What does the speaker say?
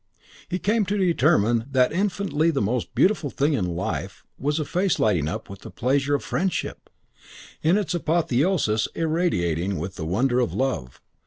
He came to determine that infinitely the most beautiful thing in life was a face lighting up with the pleasure of friendship: in its apotheosis irradiating with the wonder of love.